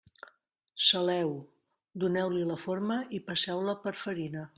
Saleu-ho, doneu-li la forma i passeu-la per farina.